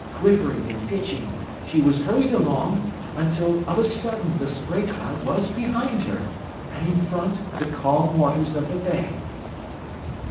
Quivering and pitching, she was hurried along, until of a sudden the spray cloud was behind her, and in front the calm waters of the bay.